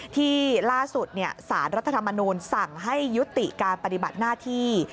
ที่ล่าสุดสารรัฐธรรมนูลสั่งให้ยุติการปฏิบัติหน้าที่